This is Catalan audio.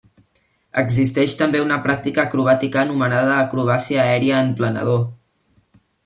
Existeix també una pràctica acrobàtica anomenada acrobàcia aèria en planador!